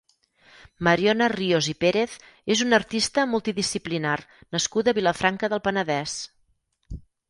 Mariona Ríos i Pérez és una artista multidisplinar nascuda a Vilafranca del Penedès.